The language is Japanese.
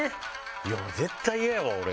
いや絶対イヤやわ俺。